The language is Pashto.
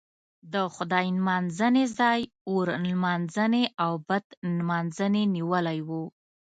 د خدای نمانځنې ځای اور نمانځنې او بت نمانځنې نیولی و.